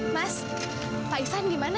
mas pak nisan di mana ya